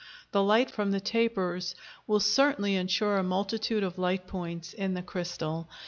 The light from the tapers will certainly ensure a multitude of light points in the crystal.